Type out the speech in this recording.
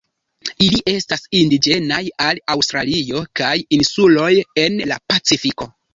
Ili estas indiĝenaj al Aŭstralio kaj insuloj en la Pacifiko.